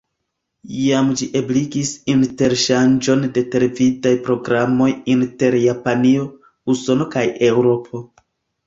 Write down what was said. Jam ĝi ebligis interŝanĝon de televidaj programoj inter Japanio, Usono kaj Eŭropo.